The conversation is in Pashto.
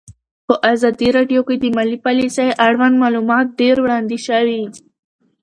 په ازادي راډیو کې د مالي پالیسي اړوند معلومات ډېر وړاندې شوي.